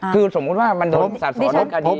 คือสมมติว่ามันโดบสอสอรถกรรม